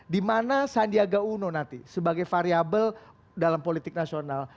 dimana sandiaga uno nanti sebagai variable dalam politik nasional